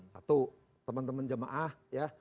satu teman teman jemaah ya